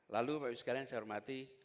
lalu bapak ibu sekalian yang saya hormati